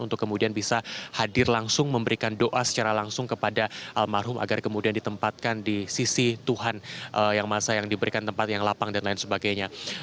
untuk kemudian bisa hadir langsung memberikan doa secara langsung kepada almarhum agar kemudian ditempatkan di sisi tuhan yang masa yang diberikan tempat yang lapang dan lain sebagainya